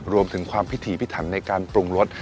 รวมถึงความพิถีพิถันในการปรุงรส